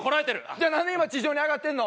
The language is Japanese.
じゃあなんで今地上に上がってるの？